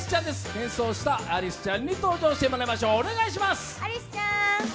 変装したアリスちゃんに登場してもらいましょう。